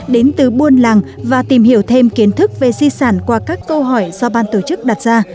đến từ buôn làng và tìm hiểu thêm kiến thức về di sản qua các câu hỏi do ban tổ chức đặt ra